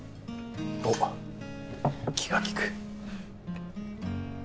おっ気が利く